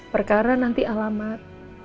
perkara nanti alamat